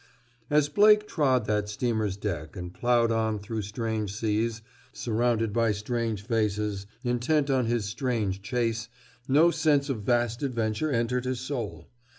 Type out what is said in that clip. As Blake trod that steamer's deck and plowed on through strange seas, surrounded by strange faces, intent on his strange chase, no sense of vast adventure entered his soul.